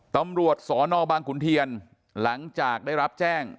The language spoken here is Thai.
ตำรวจสนบางขุนเทียนหลังจากได้รับแจ้ง